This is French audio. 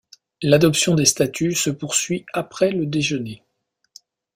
L'adoption des statuts se poursuit après le déjeuner.